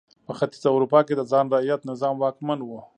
په ختیځه اروپا کې د خان رعیت نظام واکمن و.